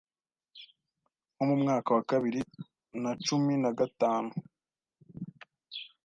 nko mu mwaka wa bibiri na cumin a gatanu